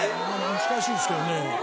難しいんですけどね。